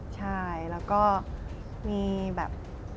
ใช่แล้วก็มีแบบ